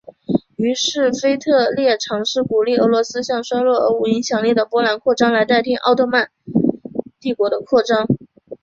于是腓特烈尝试鼓励俄罗斯向衰弱而无影响力的波兰扩张来代替向奥斯曼帝国的扩张。